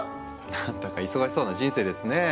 何だか忙しそうな人生ですねえ。